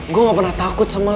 gue gak pernah takut sama lo dino